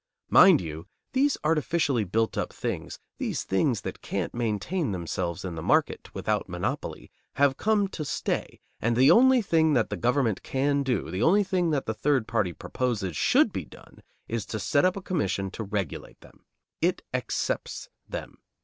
Mind you, these artificially built up things, these things that can't maintain themselves in the market without monopoly, have come to stay, and the only thing that the government can do, the only thing that the third party proposes should be done, is to set up a commission to regulate them. It accepts them.